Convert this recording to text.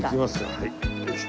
はい。